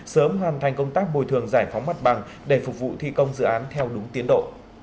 sớm hoàn thành công tác bồi thường giải phóng mặt bằng để phục vụ thi công dự án theo đúng tiến độ